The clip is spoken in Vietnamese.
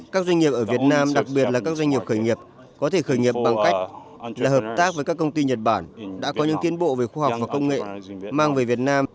các doanh nghiệp ở việt nam đặc biệt là các doanh nghiệp khởi nghiệp có thể khởi nghiệp bằng cách là hợp tác với các công ty nhật bản đã có những tiến bộ về khoa học và công nghệ mang về việt nam